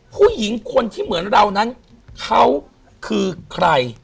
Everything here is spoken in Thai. ผู้หญิงคนที่เหมือนเรานั้นเขาคือใคร